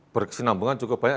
berkesinambungan cukup banyak